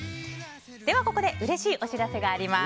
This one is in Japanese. では、ここでうれしいお知らせがあります。